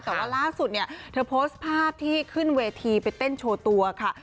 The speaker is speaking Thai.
แต่ว่าล่าสุดเนี่ยเธอโพสต์ภาพที่ขึ้นเวทีไปเต้นโชว์ตัวค่ะ